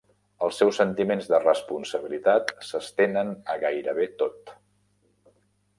Els seus sentiments de responsabilitat s'estenen a gairebé tot.